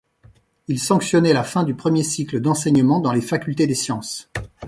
Il sanctionnait la fin du premier cycle d'enseignement dans les facultés des sciences.